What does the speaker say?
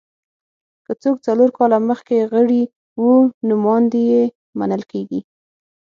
که څوک څلور کاله مخکې غړي وو نوماندي یې منل کېږي